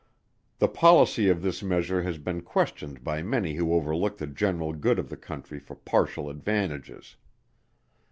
The policy of this measure has been questioned by many who overlook the general good of the country for partial advantages.